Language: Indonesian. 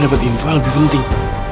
kita dapat info yang lebih penting